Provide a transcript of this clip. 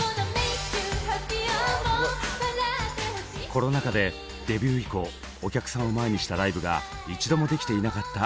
コロナ禍でデビュー以降お客さんを前にしたライブが一度もできていなかったＮｉｚｉＵ。